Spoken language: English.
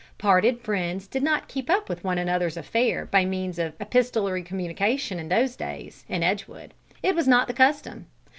Parted friends did not keep up with one another's affairs by means of epistolary communication, in those days, in Edgewood; it was not the custom.